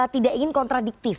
tidak ingin kontradiktif